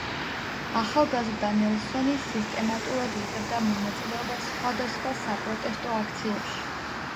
ახალგაზრდა ნელსონი სისტემატურად იღებდა მონაწილეობას სხვადასხვა საპროტესტო აქციებში.